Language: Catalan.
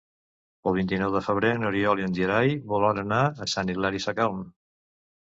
El vint-i-nou de febrer n'Oriol i en Gerai volen anar a Sant Hilari Sacalm.